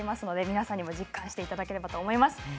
皆さんにも実感していただければと思います。